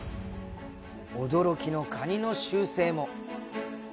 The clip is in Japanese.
驚きのカニの習性も！